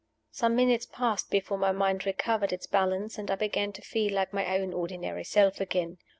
Some minutes passed before my mind recovered its balance, and I began to feel like my own ordinary self again.